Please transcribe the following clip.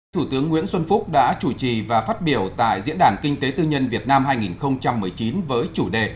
thủ tướng nguyễn xuân phúc đã chủ trì và phát biểu tại diễn đàn kinh tế tư nhân việt nam hai nghìn một mươi chín với chủ đề